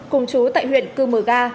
cùng chú tại huyện cư mở ga